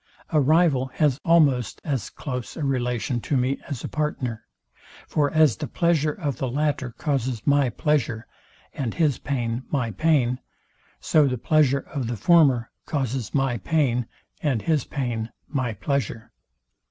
A rival has almost as close a relation to me as a partner. For as the pleasure of the latter causes my pleasure, and his pain my pain; so the pleasure of the former causes my pain, and his pain my pleasure.